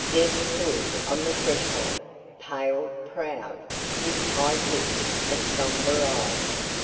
Deb stood on the threshold, pale, proud, with tight lips and sombre eyes.